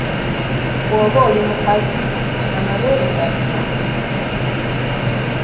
Bw’oba oli mukazi, amabeere gali wa?